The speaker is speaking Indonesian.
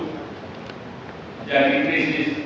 dan menjadi krisis